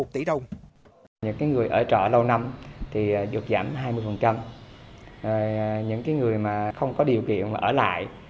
một tỷ đồng những người ở trọ lâu năm thì được giảm hai mươi những người mà không có điều kiện mà ở lại